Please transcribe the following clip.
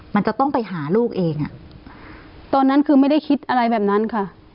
มันจะต้องไปหาลูกเองอ่ะตอนนั้นคือไม่ได้คิดอะไรแบบนั้นค่ะ